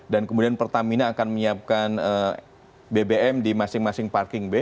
dan kemudian pertamina akan menyiapkan bbm di masing masing parking bay